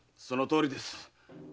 そのとおりです。